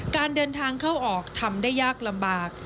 การเดินทางเข้าออกทำได้ยากลำบาก